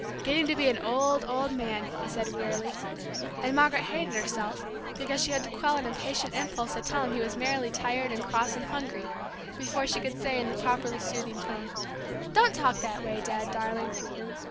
"Getting to be an old, old man!" he said wearily, and Margaret hated herself because she had to quell an impatient impulse to tell him he was merely tired and cross and hungry, before she could say, in the proper soothing tone, "Don't talk that way, Dad darling!"